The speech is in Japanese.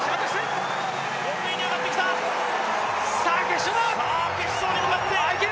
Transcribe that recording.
決勝だ！